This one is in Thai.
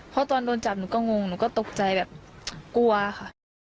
เพราะตอนโดนจับหนูก็งงหนูก็ตกใจแบบกลัวค่ะ